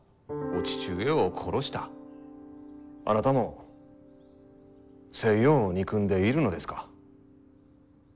あなたも西洋を憎んでいるのですか？